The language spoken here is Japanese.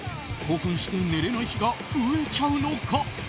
興奮して寝れない日が増えちゃうのか？